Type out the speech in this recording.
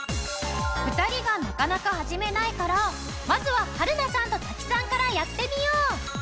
２人がなかなか始めないからまずは春菜さんとザキさんからやってみよう。